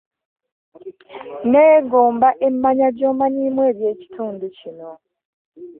Nneegomba emmanya gy'omanyiimu by'ekitundu kino